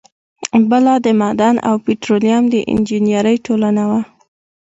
بله د معدن او پیټرولیم د انجینری ټولنه وه.